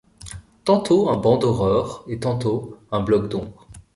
Tantôt un banc d’aurore et tantôt un bloc d’ombre.